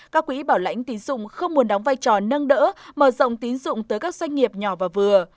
các quỹ bảo lãnh tín dụng không muốn đóng vai trò nâng đỡ mở rộng tín dụng tới các doanh nghiệp nhỏ và vừa